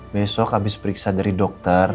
besok habis periksa dari dokter